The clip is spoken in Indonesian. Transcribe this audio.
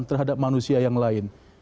atau dia seperti manusia yang lain